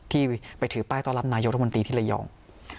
ที่ไปถือป้ายต้อนรับนายกรัฐมนตรีที่ระยอง